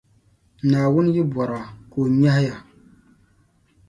Naawuni yi bɔra, ka o nyɛhi ya.